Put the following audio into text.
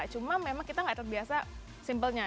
cuma memang kita nggak terbiasa simpelnya